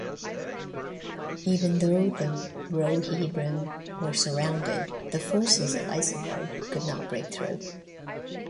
Even though the Rohirrim were surrounded, the forces of Isengard could not break through.